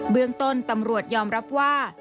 เบื้องต้นตำรวจยอมรับว่า